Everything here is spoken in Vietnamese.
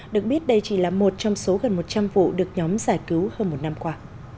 được biết đây chỉ là một trong số gần một trăm linh vụ được nhóm giải cứu hơn một năm qua